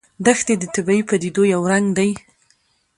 دښتې د طبیعي پدیدو یو رنګ دی.